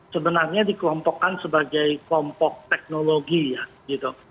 sebenarnya dikelompokkan sebagai kelompok teknologi ya gitu